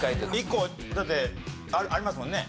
１個だってありますもんね？